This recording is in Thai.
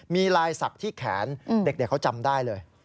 มีลายศักดิ์ที่แขนเด็กเขาจำได้เลย